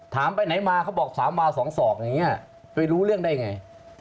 ไปไหนมาเขาบอก๓มา๒ศอกอย่างนี้ไปรู้เรื่องได้ไง